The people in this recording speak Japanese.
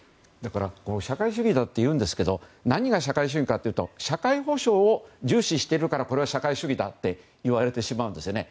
社会主義だっていうんですけど何が社会主義かっていうと社会保障を重視しているからこれは社会主義だって言われてしまうんですよね。